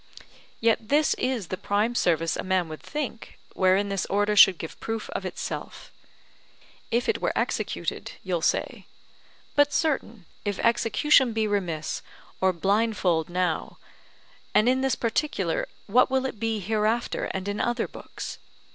Yet this is the prime service a man would think, wherein this Order should give proof of itself. If it were executed, you'll say. But certain, if execution be remiss or blindfold now, and in this particular, what will it be hereafter and in other books?